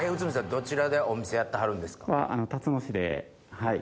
どちらでお店やってはるんですか？